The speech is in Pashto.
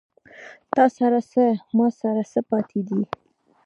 تاســـره څـــه، ما ســـره څه پاتې دي